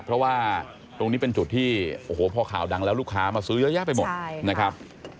เพราะว่าตรงนี้เป็นจุดที่โอ้โหพอข่าวดังแล้วลูกค้ามาซื้อเยอะแยะไปหมดนะครับ